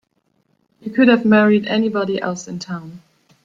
You could have married anybody else in town.